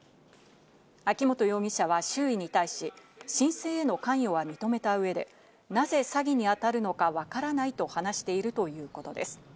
秋本容疑者は周囲に対し、申請への関与は認めた上で、なぜ詐欺に当たるのかわからないと話しているということです。